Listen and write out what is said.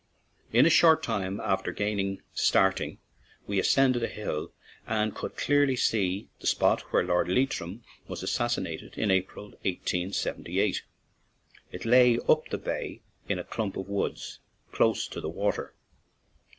In a short time after again starting, we ascended a hill and could clearly see the spot where Lord Leitrim was assassinated in April, 1878. It lay up the bay in a clump of woods, close to the water.